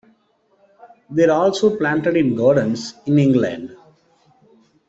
They are also planted in gardens in England.